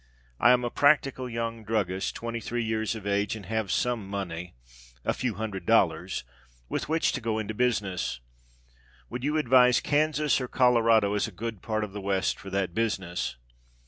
I am a practical young druggist 23 years of age and have some money a few hundred dollars with which to go into business. Would you advise Kansas or Colorado as a good part of the west for that business?